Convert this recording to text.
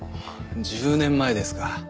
１０年前ですか。